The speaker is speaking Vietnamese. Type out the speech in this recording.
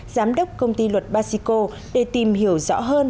giám đốc công ty luật basico để tìm hiểu rõ hơn